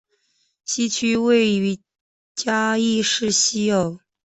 西区位于嘉义市西隅。